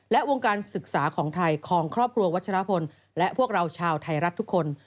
และวงการศึกษาของไทยของครอบครัววัชรพลและพวกเราชาวไทยรัฐทุกคน